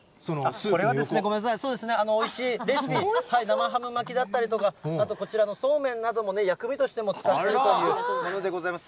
ごめんなさい、おいしいレシピ、生ハム巻きだったりとか、あとこちらのそうめんなども薬味としても使っているというものでございます。